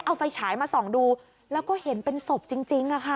เอาไฟฉายมาส่องดูแล้วก็เห็นเป็นศพจริงค่ะ